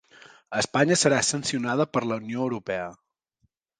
Espanya serà sancionada per la Unió Europea